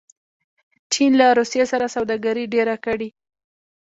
چین له روسیې سره سوداګري ډېره کړې.